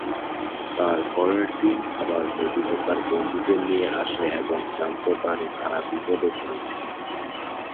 তার পরের দিন আবার নোবিতা তার বন্ধুদের নিয়ে আসে এবং জানতে পারে তারা বিপদে পড়েছে।